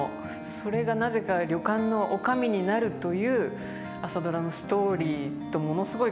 それがなぜか旅館の女将になるという「朝ドラ」のストーリーとものすごい重なりまして。